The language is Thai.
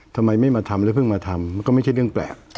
ทำไมไม่มาทำแล้วเพิ่งมาทำก็ไม่ใช่เรื่องแปลก